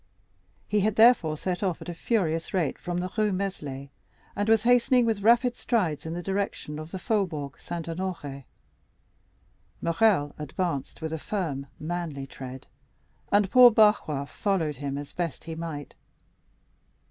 He had therefore set off at a furious rate from the Rue Meslay, and was hastening with rapid strides in the direction of the Faubourg Saint Honoré. Morrel advanced with a firm, manly tread, and poor Barrois followed him as he best might.